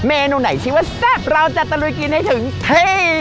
เมนูไหนชิ้วแซ่บเราจะตะลุยกินให้ถึงเฮ้ย